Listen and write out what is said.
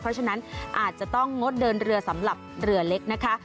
เพราะฉะนั้นอาจจะต้องงดเดินเรือสำหรับเรือเล็กนะคะ